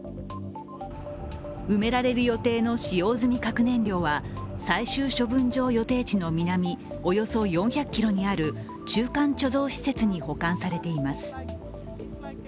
埋められる予定の使用済み核燃料は最終処分場予定地の南およそ４００ｋｍにある中間貯蔵施設に保管されています。